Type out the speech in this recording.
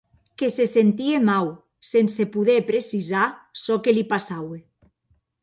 Que se sentie mau, sense poder precisar çò que li passaue.